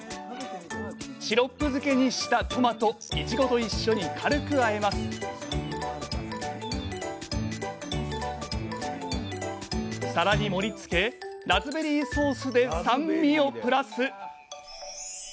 シロップ漬けにしたトマトいちごと一緒に軽くあえます皿に盛りつけラズベリーソースで酸味をプラス！